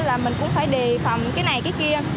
là mình cũng phải đề phòng cái này cái kia